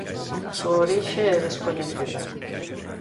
A súa orixe é descoñecida.